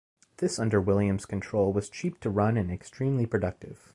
This under Williams control was cheap to run and extremely productive.